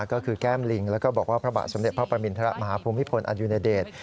ก็คือแก้มลิงแล้วก็บอกว่าพระบาทสมเด็จพระปรมินทรมาฮภูมิพลอดุญเดช